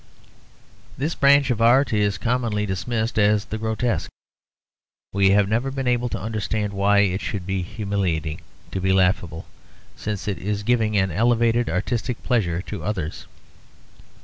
This branch of art is commonly dismissed as the grotesque. We have never been able to understand why it should be humiliating to be laughable, since it is giving an elevated artistic pleasure to others.